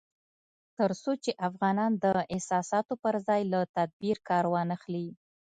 تر څو چې افغانان د احساساتو پر ځای له تدبير کار وانخلي